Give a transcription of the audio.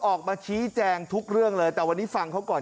ออกมาชี้แจงทุกเรื่องเลยแต่วันนี้ฟังเขาก่อน